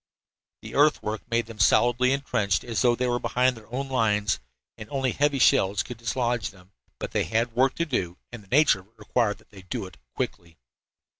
The earthwork made them as solidly entrenched as though they were behind their own lines, and only heavy shells could dislodge them. But they had work to do, and the nature of it required that they do it quickly.